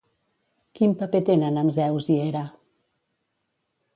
Quin paper tenen amb Zeus i Hera?